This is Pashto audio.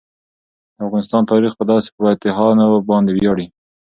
د افغانستان تاریخ په داسې فاتحانو باندې ویاړي.